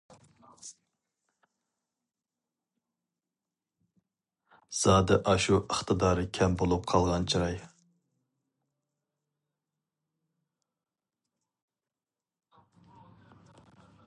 زادى ئاشۇ ئىقتىدارى كەم بولۇپ قالغان چىراي.